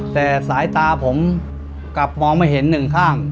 แต่สายตาผมกลับมองไม่เห็นหนึ่งข้าง